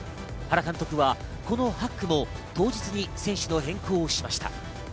原監督はこの８区も当日に選手の変更をしました。